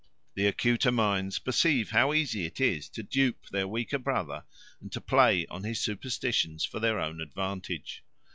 The acuter minds perceive how easy it is to dupe their weaker brother and to play on his superstition for their own advantage.